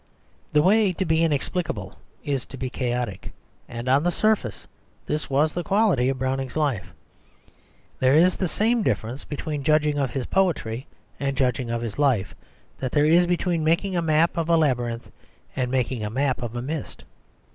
The way to be inexplicable is to be chaotic, and on the surface this was the quality of Browning's life; there is the same difference between judging of his poetry and judging of his life, that there is between making a map of a labyrinth and making a map of a mist.